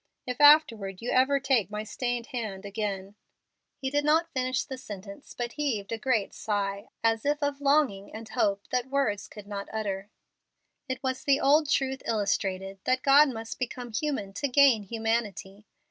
If afterward you ever take my stained hand again " He did not finish the sentence, but heaved a great sigh, as if of longing and hope that words could not utter. It was the old truth illustrated, that God must become human to gain humanity.